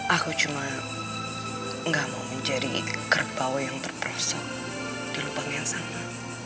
aku cuma gak mau menjadi kerbau yang terperosok di lubang yang sama